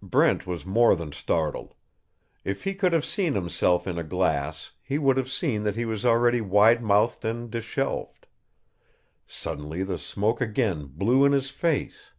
Brent was more than startled. If he could have seen himself in a glass he would have seen that he was already wide mouthed and disheveled. Suddenly the smoke again blew in his face.